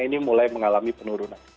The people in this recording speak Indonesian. ini mulai mengalami penurunan